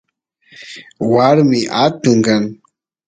warmi atun kan